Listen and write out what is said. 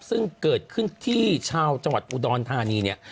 ซึ่งเกิดขึ้นที่ชาวจังหวัดอุดรธานีเนี่ย